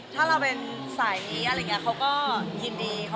ถ้าเราเป็นสายนี้จะยินดี